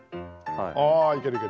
ああいけるいける。